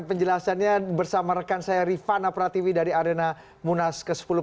marilah kita merapatkan seluruh jajaran barisan konsolidasi partai